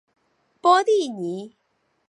波蒂尼。